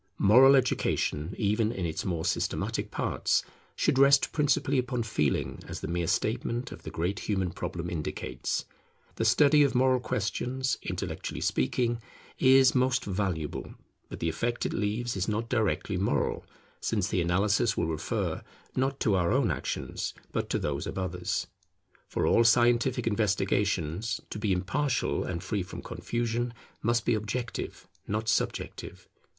Moral education, even in its more systematic parts, should rest principally upon Feeling, as the mere statement of the great human problem indicates. The study of moral questions, intellectually speaking, is most valuable; but the effect it leaves is not directly moral, since the analysis will refer, not to our own actions, but to those of others; for all scientific investigations, to be impartial and free from confusion, must be objective, not subjective.